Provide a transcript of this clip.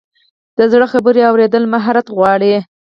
د زړه خبرې اورېدل مهارت غواړي.